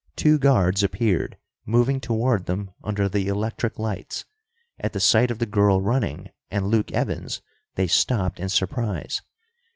Two guards appeared, moving toward them under the electric lights. At the sight of the girl running, and Luke Evans, they stopped in surprise.